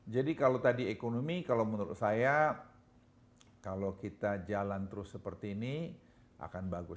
jadi kalau tadi ekonomi kalau menurut saya kalau kita jalan terus seperti ini akan bagus